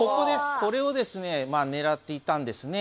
これをですねねらっていたんですね。